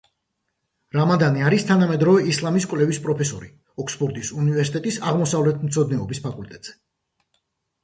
რამადანი არის თანამედროვე ისლამის კვლევის პროფესორი, ოქსფორდის უნივერსიტეტის აღმოსავლეთმცოდნეობის ფაკულტეტზე.